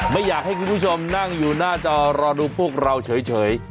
ไม่อยากให้คุณผู้ชมนั่งอยู่หน้าจอรอดูพวกเราเฉย